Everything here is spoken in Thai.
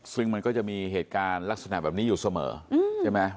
ซึ่งมันก็จะมีเหตุการณ์ลักษณะแบบนี้อยู่เสมอใช่ไหม